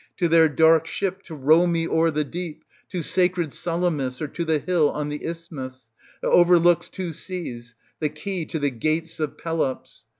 1092 1169 to their dark ship to row me o'er the deep to sacred Salamis or to the hill ^ on the Isthmus, that o'erlooks two seas, the key to the gates of Pelops.